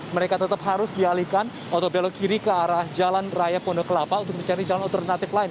mereka tetap harus dialihkan atau belok kiri ke arah jalan raya pondok kelapa untuk mencari jalan alternatif lain